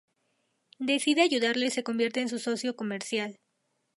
Decide ayudarlo y se convierte en su socio comercial.